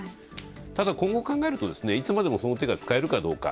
ただ、今後を考えるといつまでもその手が使えるかどうか。